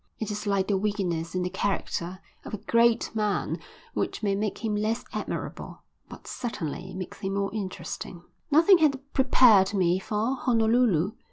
It is like the weakness in the character of a great man which may make him less admirable but certainly makes him more interesting. Nothing had prepared me for Honolulu.